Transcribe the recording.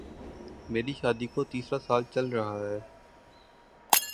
میری شادی کو تیسرا سال چل رہا ہے